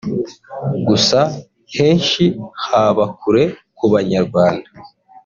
Gusa henshi haba kure ku Banyarwanda